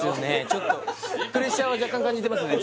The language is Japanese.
ちょっとプレッシャーは若干感じてますね